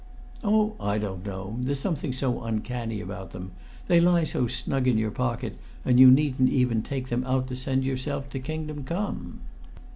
"Oh, I don't know. There's something so uncanny about them. They lie so snug in your pocket, and you needn't even take them out to send yourself to Kingdom Come!"